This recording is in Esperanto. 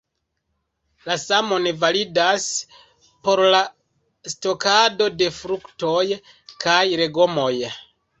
La samon validas por la stokado de fruktoj kaj legomoj.